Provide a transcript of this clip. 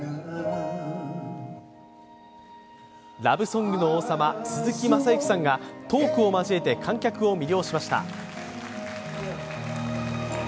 ラブソングの王様・鈴木雅之さんがトークを交えて観客を魅了しました。